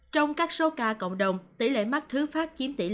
trong các số ca cộng đồng tỷ lệ mắc thứ phát chiếm tỷ lệ